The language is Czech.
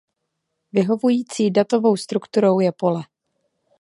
Vyhovující datovou strukturou je pole.